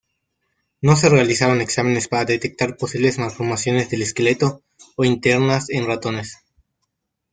No se realizaron exámenes para detectar posibles malformaciones del esqueleto o internas en ratones.